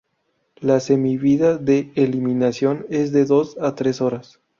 La semivida de eliminación es de dos a tres horas.